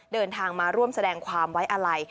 เดินทางมาร่วมแสดงความไว้อาลัย